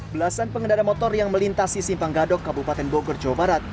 belasan pengendara motor yang melintasi simpang gadok kabupaten bogor jawa barat